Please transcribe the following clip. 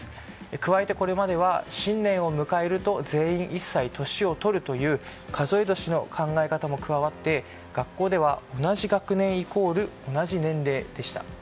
加えて、これまでは新年を迎えると全員１歳年を取るという数え年の考え方も加わって学校では同じ学年イコール同じ年齢でした。